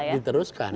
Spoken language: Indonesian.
tidak ada masalah ya